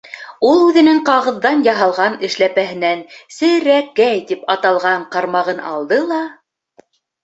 Ул үҙенең ҡағыҙҙан яһалған эшләпәһенән «серәкәй» тип аталған ҡармағын алды ла: